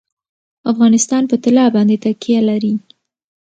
افغانستان په طلا باندې تکیه لري.